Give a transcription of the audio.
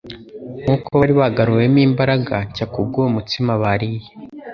Nk'uko bari bagaruwemo imbaraga nshyakubw'uwo mutsima bariye,